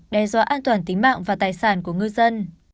đe dọa an toàn tính mạng và tài sản của ngư dân